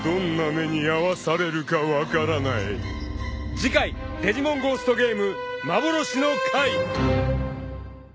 ［次回『デジモンゴーストゲーム』］